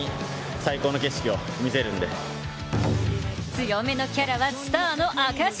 強めのキャラはスターの証し。